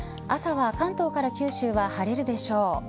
朝は関東から九州は晴れるでしょう。